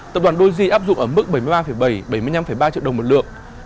tập đoàn doji áp dụng ở mức bảy mươi ba bảy bảy mươi năm ba triệu đồng một lượng